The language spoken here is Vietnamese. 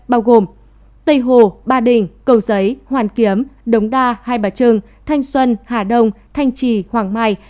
bao gồm tây hồ ba đình cầu giấy hoàn kiếm đống đa hai bà trưng thanh xuân hà đông thanh trì hoàng mai